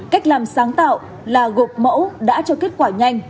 cách làm sáng tạo là gộp mẫu đã cho kết quả nhanh